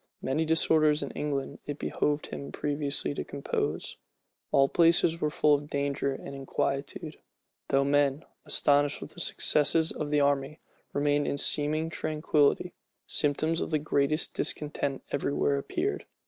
Many disorders in England it behoved him previously to compose. All places were full of danger and inquietude. Though men, astonished with the successes of the army, remained in seeming tranquillity, symptoms of the greatest discontent every where appeared.